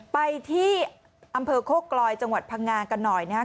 ไปที่อำเภอโคกลอยจังหวัดพังงากันหน่อยนะครับ